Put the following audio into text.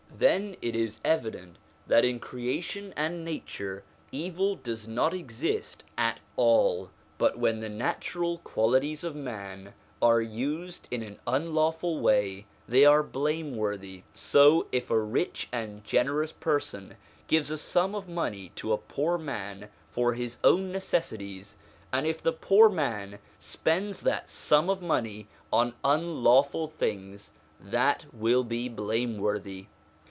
Then it is evident that in creation and nature evil does not exist at all; but when the natural qualities POWERS AND CONDITIONS OF MAN 251 of man are used in an unlawful way, they are blame worthy. So, if a rich and generous person gives a sum of money to a poor man for his own necessities, and if the poor man spends that sum of money on unlawful things, that will be blameworthy.